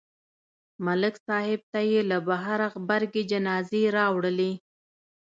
ملک صاحب ته یې له بهره غبرګې جنازې راوړلې